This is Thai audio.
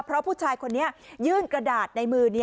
เพราะผู้ชายคนนี้ยื่นกระดาษในมือ